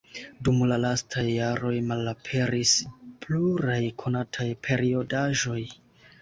Dum la lastaj jaroj malaperis pluraj konataj periodaĵoj.